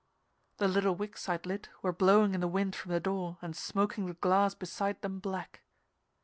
The little wicks I'd lit were blowing in the wind from the door and smoking the glass beside them black.